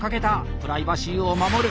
プライバシーを守る！